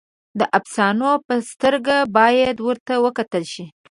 د افسانو په سترګه باید ورته وکتل شي.